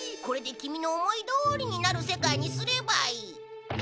これでキミの思いどおりになる世界にすればいい。